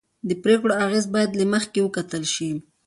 د پرېکړو اغېز باید له مخکې وکتل شي